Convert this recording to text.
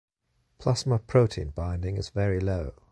Plasma protein binding is very low.